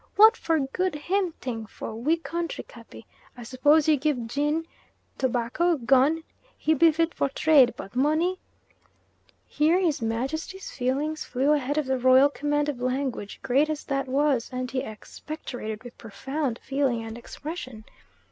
"What for good him ting for We country, Cappy? I suppose you gib gin, tobacco, gun he be fit for trade, but money " Here his Majesty's feelings flew ahead of the Royal command of language, great as that was, and he expectorated with profound feeling and expression.